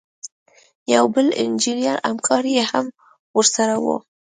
یو بل انجینر همکار یې هم ورسره و.